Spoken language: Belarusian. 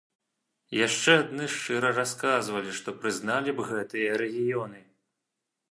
Яшчэ адны шчыра расказалі, што прызналі б гэтыя рэгіёны.